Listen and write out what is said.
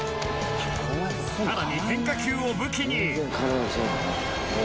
さらに変化球を武器に。